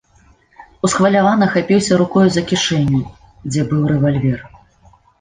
Усхвалявана хапіўся рукою за кішэню, дзе быў рэвальвер.